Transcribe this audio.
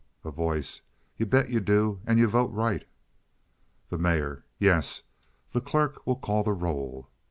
A Voice. "You bet you do, and you vote right." The Mayor. "Yes. The clerk will call the roll."